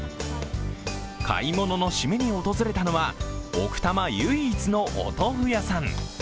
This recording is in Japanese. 買い物のシメに訪れたのは奥多摩唯一のお豆腐屋さん。